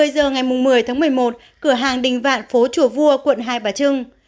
một mươi giờ ngày một mươi tháng một mươi một cửa hàng đình vạn phố chùa vua quận hai bà trưng